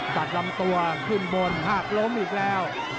ตัดลำตัวขึ้นบนหากล้มอีกแล้ว